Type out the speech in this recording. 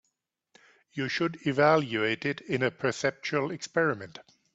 You should evaluate it in a perceptual experiment.